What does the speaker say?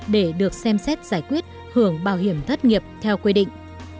để được xem xét giải quyết hưởng bảo hiểm thất nghiệp theo quy định